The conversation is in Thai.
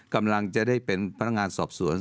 กำลังจะได้เป็นพนักงานสอบสวน